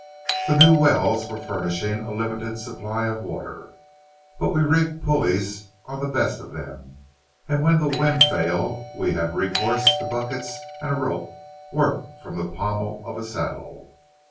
The new wells were furnishing a limited supply of water, but we rigged pulleys on the best of them, and when the wind failed we had recourse to buckets and a rope worked from the pommel of a saddle.